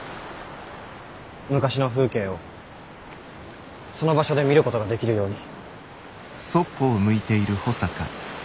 昔の風景をその場所で見ることができるように。